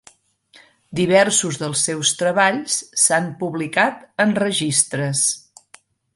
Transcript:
Diversos dels seus treballs s'han publicat en registres.